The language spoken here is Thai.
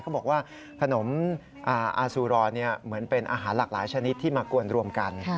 เขาบอกว่าขนมอาซูรอเหมือนเป็นอาหารหลากหลายชนิดที่มากวนรวมกัน